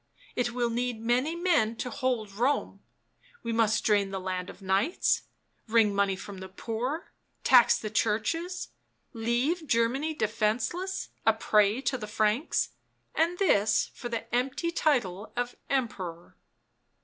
It will need many men to hold Rome; we must drain the land of knights, wring money from the poor, tax the churches — leave Germany defenceless, a prey to the Franks, and this for the empty title of Emperor."